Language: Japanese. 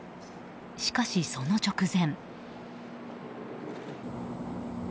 しかし、その直前。